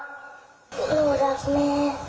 หนูรักแม่